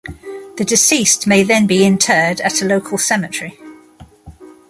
The deceased may then be interred at a local cemetery.